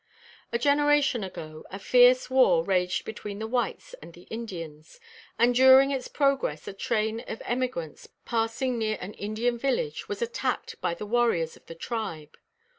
A generation ago, a fierce war raged between the whites and the Indians; and during its progress a train of emigrants, passing near an Indian village, was attacked by the warriors of the tribe.